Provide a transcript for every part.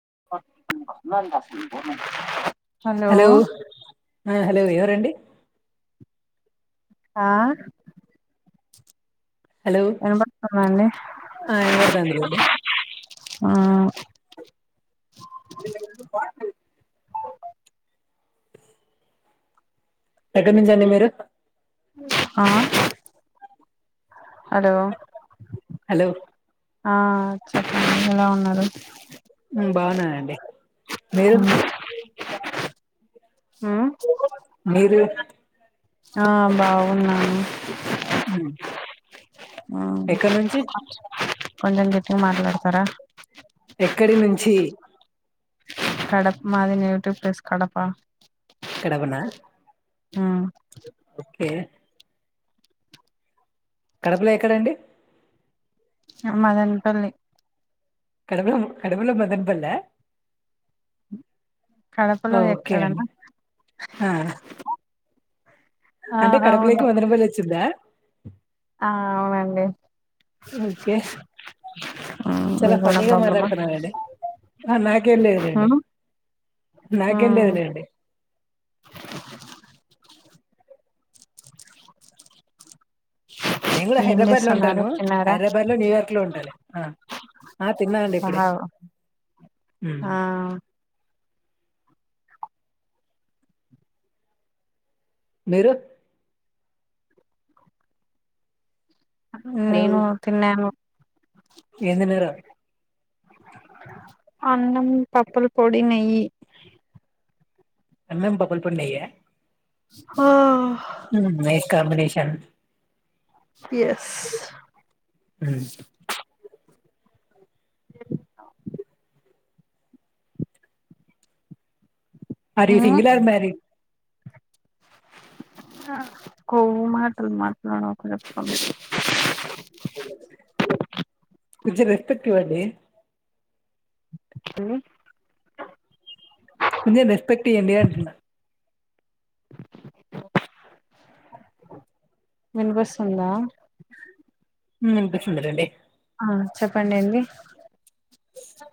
[unintelligible] Hello! ఆ hello, ఎవరండీ? ఆ హలో ఏనబడుతుందండి? ఆ వినపడుతుందిలేండి మ్మ్? ఎక్కడ నుంచి అండి మీరు? ఆ హలో! హలో ఆ, చక్కగానే ఉన్నారు. ఉమ్, బాగున్నానండి. మీరు? ఉమ్ మీరు, ఆ, బాగున్నాను. ఉమ్, అమ్ ఎక్కడి నుంచి కొంచెం గట్టిగా మాట్లాడతారా? ఎక్కడి నుంచి? కడప మాది. Native place Kadapa. కడప నా? ఆ ఓకే. కడపలో ఎక్కడండి? మదనపల్లి. కడపలో కడపలో మదన్ పల్లి ఆ కడపలో ఎక్కడనా ఆ ఆ అంటే అవును కడపలోకి వంద రూపాయలు వచ్చిందా ఆ అవునండి ఓకే ఉమ్ చాల మీకున్న ఫనిగా ప్రాబ్లమా మాట్లాడుతున్నారు అండి అ నాక ఏంది ఉమ్ ఉమ్ లేదు లేండి నేను కూడా ఏం హైదరాబాద్ లో చేస్తున్నారు ఉంటాను తిన్నారా హైదరాబాద్ లో న్యూయార్క్ లో ఉంటాను అ ఉమ్. ఆ మీరు హలో నేను తిన్నాను ఏం తిన్నారు అన్నం పప్పులు పొడి నెయ్యి అన్నం పప్పుల పొడి నెయ్యి ఆ nice combination yes um. [unintelligible] Are you um single or marriage కొవ్వు మాటలు మాట్లాడకు కొంచెం రెస్పెక్ట్ ఇవ్వండి ఏమి కొంచెం రెస్పెక్ట్ ఇయ్యడి అంటున్నా వినిపిస్తుందా ఉ వినిపిస్తుంది లేండి ఆ చెప్పండి ఏంది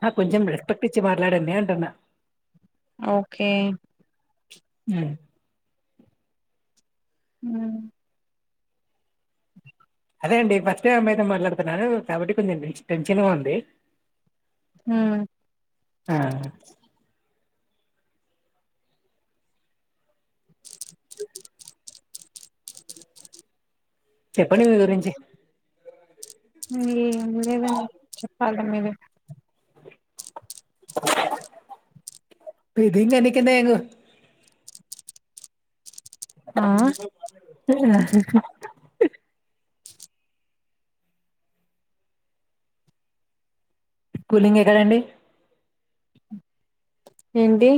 ఆ కొంచెం స్పెక్ట్ ఇచ్చి మాట్లాడండి అంటున్న ఓకే ఉ హ అదే అండి ఫస్ట్ టైమ్ అమ్మాయితో మాట్లాడుతున్నాను కాబట్టి కొంచం టెన్షన్గా ఉంది ఆ చెప్పండి మీ గురించి ఏ లేదు అండి చెప్పాలి [unintelligible] ఇదింగ ఇక నేను ఆ [unintelligible] కులింగ్ ఎక్కడ అండి ఏంటి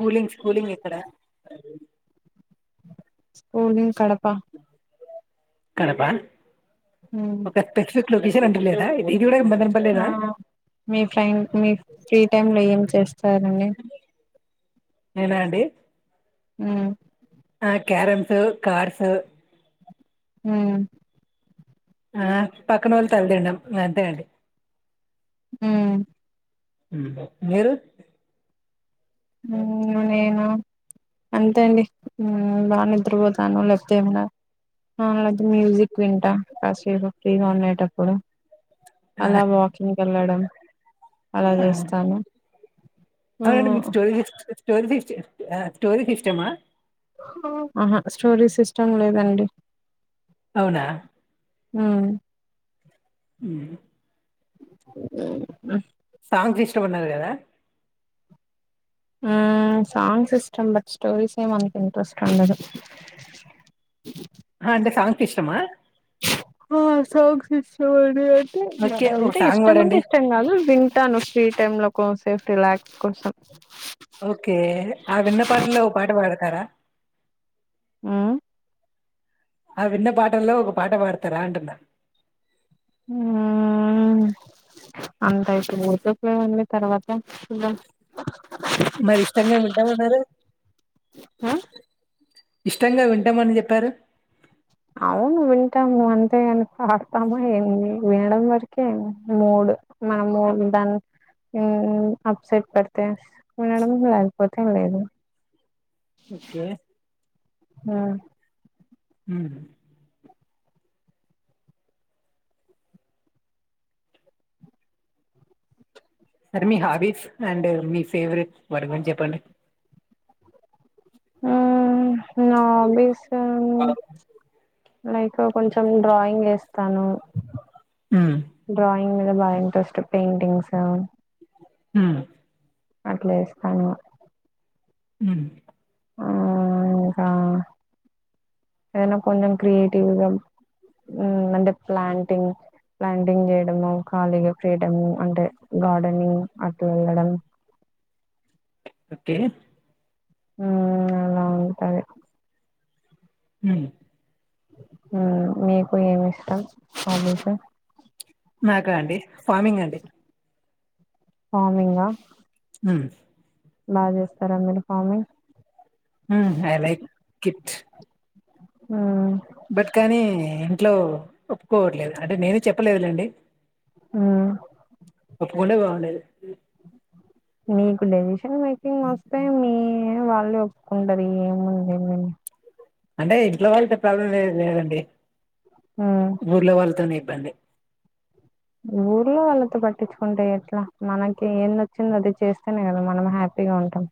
కూలింగ్స్ కూలింగ్ ఎక్కడ స్కూలీంగ్ కడప కడప ఒక పెక్షుట్లు విష అంటలేదా ఇది కూడా హ మదనపల్లేనా మీ ఫ్రెండ్ మీ ఫ్రీ టైమ్ లో ఏం స్తారు అండి నేనా అండి ఉ ఆ క్యరమ్స్, కార్డ్స్ ఉ ఆ పక్కనోళ్లు తల తిన్నడం అంతే అండి ఉ మీరు హు నేను అంతే అండి ఉ బాగా నిద్రపోతాను లేకపోతే ఏమైనా ఉ లేపోతే మ్యూజిక్ వింటా కాసేపు ఫ్రీగా ఉండేటప్పుడు ఆ అలా వాకింగ్ వెళ్ళడం అలా ఆ చేస్తాను ఉ స్టోరీస్ స్టోరీస్ ఇష్టమా ఆహా స్టోరీస్ ఇష్టం లేదండి అవునా అ ఉహు సాంగ్స్ ఇష్టం అన్నారు కదా ఆ సాంగ్స్ ఇష్టం బట్ స్టోరీసే మనకి ఇంట్రెస్ట్ ఉండదు హ అంటే సాంగ్స్ ఇష్టమా ఆ సాంగ్స్ ఇష్టం అని అ ఓకే ఒక అంటే సాంగ్ ఇష్టం అంటే పాడండి ఇష్టం కాదు వింటాను ఫ్రీ టైమ్ లో కోసేపు రిలా ఓకే ఆ విన్న పాటల్లో ఒక పాట పాడతారా ఆ ఆ విన్న పాటల్లో ఒక పాట పాడతారా అంటున్నా ఊ అంతయితే ఊత్తపులే తర్వాత చూద్దాం మరి ఇష్టంగా వింటామన్నారు ఆ ఇష్టంగా వింటామని చెప్పారు అవును వింటాము అంతేగాని పాడతామా ఏంది వినడం వరకే మూడు మనము దాని అప్సెట్ పడితే వినడం లేకపోతే లేదు ఓకే హా ఉ సరే మీ హాబీస్ అండ్ మీ ఫేవరెట్ వాటి గురించి చెప్పండి ఆ నా హాబీస్ లైక్ కొంచెం డ్రాయింగ్ వేస్ తను మ్మ్ డ్రా ఇంగ్ మీద బా ఇంట్రెస్ట్ పెయింటింగ్స్ ఉ అట్లేస్తాను ఉ ఆ ఇంకా ఏదైనా కొంచెం క్రియేటివ్గా ఉ అంటే ప్లాంటింగ్ ప్లాంటింగ్ చేయడము ఖాళీగా ఫ్రీ టైమ్ అంటే గార్డెనింగ్ అట్లా వెళ్ళడం ఓకే ఉ అలా ఉంటది ఉ ఉ మీకు ఏమి ఇష్టం హాబీస్ నాకా అండి ఫార్మింగ్ అండి ఫార్మింగ అ బా చేస్తారా మీరు ఫార్మింగ్ ఉ ఐ లైక్ ఇట్ ఆ బట్ కానీ ఇంట్లో ఒప్పుకోవట్లేదు అంటే నేనే చెప్పలేదులేండి ఉ కుండే బాగుండేది మీకు లేస్ మేకింగ్ వస్తే మీ వాళ్ళే ఒప్పుకుంటారు ఏముంది అంటే ఇంట్లో వాళ్ళతో ప్రాబ్లం లేదు లేదండి ఉమ్ ఊర్లో వాళ్ళతోనే అదే ఊర్లో వాళ్ళతో పట్టించుకుంటే ఎట్లా మనకి ఏందొచ్చిందో అది చేస్తేనే కదా మనం హ్యాపీగా ఉంటాం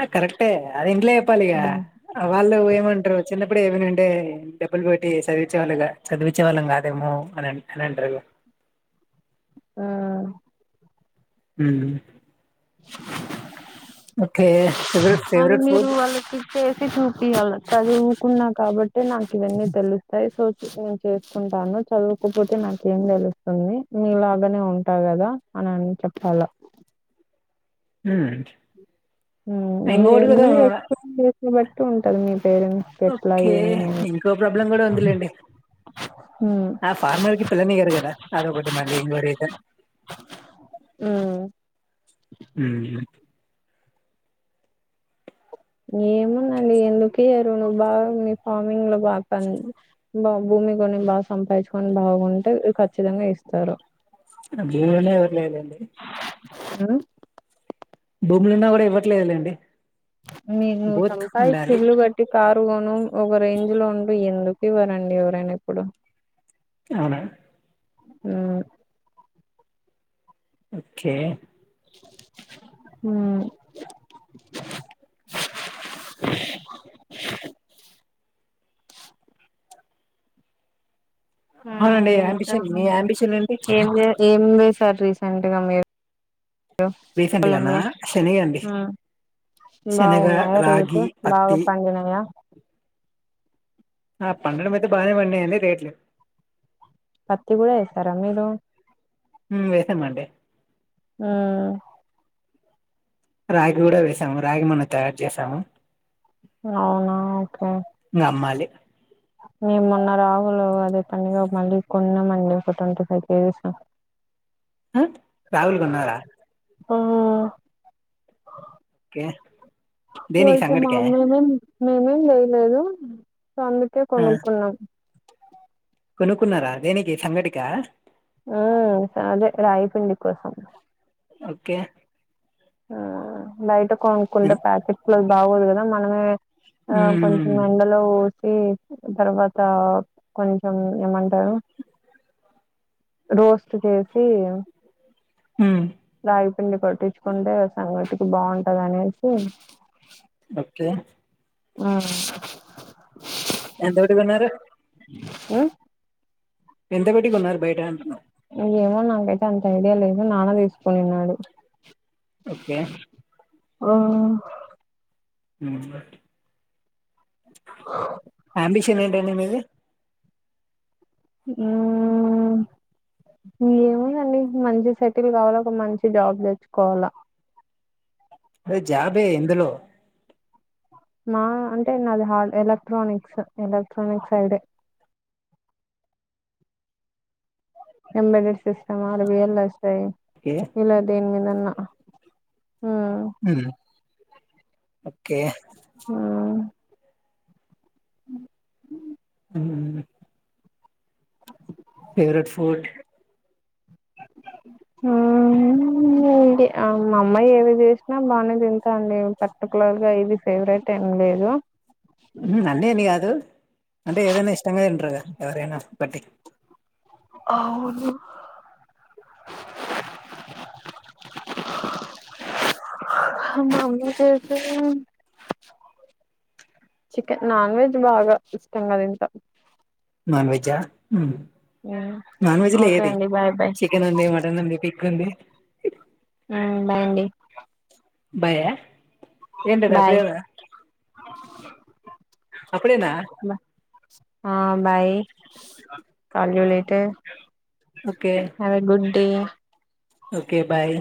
ఆ కరెక్టే అది ఇంట్లో చెప్పాలిగా ఉమ్ వాళ్ళు ఏమంటారు ఇప్పుడు ఏమైనంటే డబ్బులు పెట్టి చదివించే వాళ్ళు చదివించే వాళ్ళం కాదేమో అని అని అంటారు ఆ ఉ ఫేవరెట్ అది ఫేవరెట్ మీరు ఫుడ్ వాళ్ళకి ఇచ్చేసి చపియ్యల్లా చదువుకున్నా కాబట్టి నాక్ ఇవన్నీ తెలుస్తాయి సో నేను చేసుకుంటాను చదువుకపోతే నాకేం దెలుస్తుంది మీలాగనే ఉంటా కదా అనిని చెప్పాలా హ్మ్ ఇంగోటి గుద ఉంటాడు ఓకే ఇంకో ప్రాబ్లం గూడా ఉందిలేండి హ్మ్. ఆ ఫార్మర్ క పిల్లని గారు కదా అదొకటి మళ్ళీ ఇంవర అయితే హ్మ్. ఏముందండి ఎందుకియ్యరు నువ్ బాగ మీ ఫార్మింగ్ లో బాగా బా భూమి గొని బాగా సంపాదించుకొని బాగుంటే ఖచ్చితంగా ఇస్తారు భూవనేేఊర్లే ఇద అండి ఉ భూములున్నా గూడా ఇవ్వట్లేదులేండి మీరు నువ్వు బోత్ సంపాయిచ్చి ఉండాలి ఇల్లు కట్టి కారు కొన ఒక రేంజ్ లో ఉండు ఎందుకు ఇవరండి ఎవరైనా ఇప్పుడు అవునా ఉ ఓకే ఉ ఉ అవునండి ఇంకా అంబిషన్ మీ అంబిషన్ ఏంటి ఏం జె ఏం రీసెంట్గా మీరు రీసెంట్ గానా పొలంలో శనగ అండి ఉ శనగ బాగున్నాయా రేటు రాగి బాగా పత్తి పండినాయా ఆ పండడమయితే బానే పం రేట్ల పత్తి గూడా యేస్తారా మీరు ఉ వేసామంది ఆ రాగి గూడా వేసాము రాగి మనం తయారు చేసాము అవునా ఓకే ఇంకా అమ్మాలి మేము మొన్న రాగులు అదే పండుగ మళ్ళీ కొన్నామండి ఒక ట్వంటీ ఫైవ్ కేజీస్ ఆ రాగుల్ గొన్నారా ఉ ఏ ఓయితే మాములుమే మేమేం లేయలేదు అందుకే ఆ కొనుకున్నాం కొనుక్కున్నారా దేనికి సంగటికా ఉ అదే రాయిపిండి కోసం ఓకే బయిట కొనుకుంటే ఎన్ ప్యాకెట్ లో అది బాగోదు కదా మనమే ఆ కొంచెం హ్మ్. అందులో ఉమ్ తర్వాత కొంచెం ఏమంటారు రోస్ట్ చేసి హ్మ్మ్ రాగి పిండి కొట్టించుకుంటే సంగటికీ బాగుంటది అనేసి ఓకే ఆ ఎంత పెట్టి కొన్నారు ఉ ఎంత పెట్టుకొన్నారు బయట అంటున్న ఏమో నాకైతే అంత ఐడియా లేదు నాన్న తీసుకున్నాడు ఓకే ఆ ఉమ్మ్ అమ్బిషన్ ఏంటండి మీది ఏముందండి మంచి సెటిల్ కావాలా ఒక మంచి జాబ్ తెచ్చుకోవాలా అ జాబే ఎందులో నా అంటే నాది hard electronics electronics side embedded system ఆర్ వి ల్ స్ యి ఓకే ఎలా దేనిమీదా అ హ్మ్మ్ ఓకే ఆ ఉ ఉ ఫేవరెట్ ఫూడ్ ఇది మా అమ్మాయి ఏవి చేసినా బాగానే తింటాన్ డ పర్టికులర్ గా ఇది ఫేవరెట్ ఏం లేదు నన్నేని కాదు అంటే ఏదైనా ఇష్టంగా తింటారుగా ఎవరైనా ఒకటి అవును మమ్మీ చేసి చికెన్ నాన్ వెజ్ బాగా ఇష్టం కద తింటా నోన్ వెజ్జా నాన్ వెజ్లో ఓకే ఏది అండి బాయ్ బాయ్ చికెన్ ఉంది మటన్ ఉంది పిగ్ ఉంది ఆ బాయ్ అండి భయా ఏంటడా ప్రియద చె ఆ బాయ్ కాలేజీలో ఐతే ఓకే అదే గుడ్డి ఓకే బాయ్!